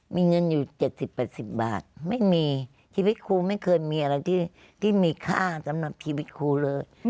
มีเงินอยู่๗๐๘๐บาทไม่มีชีวิตครูไม่เคยมีอะไรที่มีค่าสำหรับชีวิตครูเลย